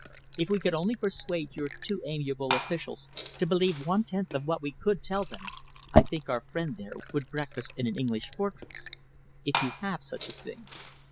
If we could only persuade your too amiable officials to believe one tenth of what we could tell them, I think our friend there would breakfast in an English fortress, if you have such a thing."